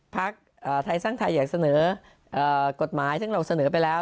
พักไทยสร้างไทยอยากเสนอกฎหมายซึ่งเราเสนอไปแล้ว